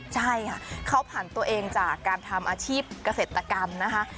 ใช่ค่ะเขาผ่านตัวเองจากการทำอาชีพเกษตรกรรมนะคะ